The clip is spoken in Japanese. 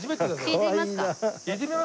引いてみますか。